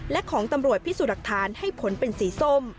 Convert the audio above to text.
และของตำรวจพิสูจน์หลักฐานให้ผลเป็นสีส้ม